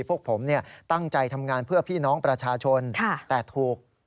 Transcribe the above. พวกผมตั้งใจทำงานเพื่อพี่น้องประชาชนแต่ถูก